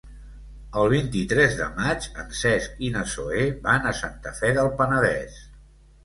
El vint-i-tres de maig en Cesc i na Zoè van a Santa Fe del Penedès.